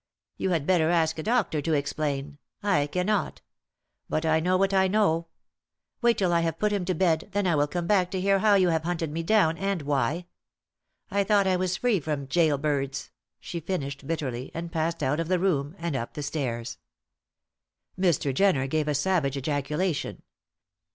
You had better ask a doctor to explain. I cannot; but I know what I know. Wait till I have put him to bed, then I will come back to hear how you have hunted me down, and why. I thought I was free from gaol birds," she finished, bitterly, and passed out of the room and up the stairs. Mr. Jenner gave a savage ejaculation.